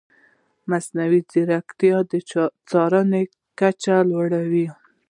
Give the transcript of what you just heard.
مصنوعي ځیرکتیا د څارنې کچه لوړه وي.